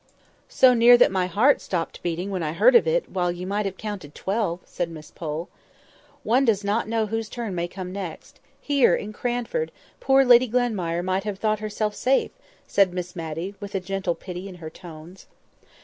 "So near that my heart stopped beating when I heard of it, while you might have counted twelve," said Miss Pole. "One does not know whose turn may come next. Here, in Cranford, poor Lady Glenmire might have thought herself safe," said Miss Matty, with a gentle pity in her tones.